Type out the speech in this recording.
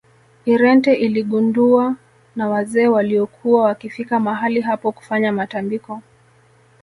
irente iligunduwa na wazee waliokuwa wakifika mahali hapo kufanya matambiko